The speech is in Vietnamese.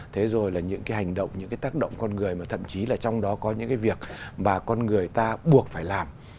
thế rồi là những cái hành động những cái tác động con người mà thậm chí là trong đó có những cái việc mà con người ta buộc phải làm